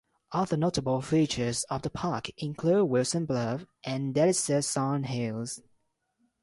Other notable features of the park include Wilson Bluff and Delisser sandhills.